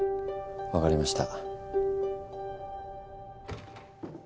わかりました。